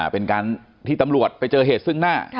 เป็นการที่ตำรวจไปเจอเหตุซึ่งหน้า